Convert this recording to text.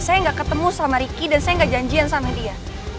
saya gak ketemu sama rikyu dan saya gak janjian sama dia